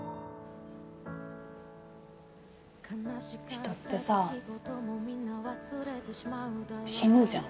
人ってさ死ぬじゃんいつかは。